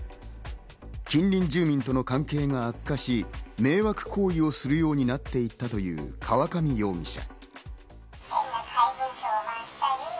近隣住民との関係が悪化し、迷惑行為をするようになっていたという河上容疑者。